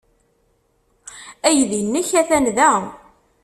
Aydi-nnek atan da.